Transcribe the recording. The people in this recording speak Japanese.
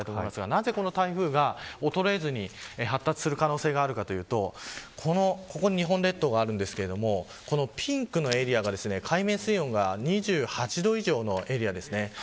なぜ台風が衰えずに発達する可能性があるかというとここに日本列島がありますがピンクのエリアが、海面水温が２８度以上のエリアです。